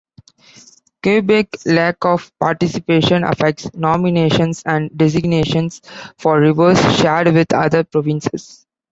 Quebec's lack of participation affects nominations and designations for rivers shared with other provinces.